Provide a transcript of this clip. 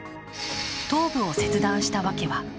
頭部を切断したわけは？